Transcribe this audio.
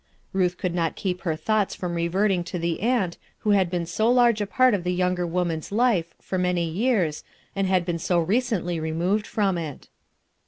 Ruth could not keep her thoughts from reverting to the aunt who had been so large a part of the 3 ounger woman's life for many years and had been so recently removed from. it.